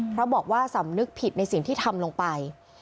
เพราะบอกว่าสำนึกผิดในสิ่งที่ทำลงไป